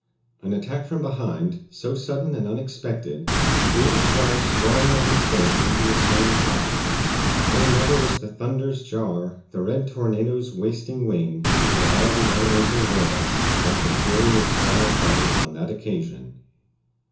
An attack from behind, so sudden and unexpected, threw the squire sprawling on his face into a stone pile. Oh, never was the thunder's jar, The red tornado's wasting wing, Or all the elemental war, like the fury of Squire Hardy on that occasion.